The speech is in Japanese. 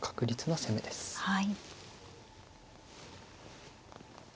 はい。